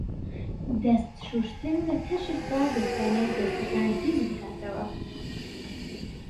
دەست شوشتن لە تەشتدا دەتوانێت دەستەکان پیسبکاتەوە.